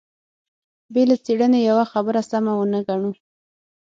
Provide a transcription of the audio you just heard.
بې له څېړنې يوه خبره سمه ونه ګڼو.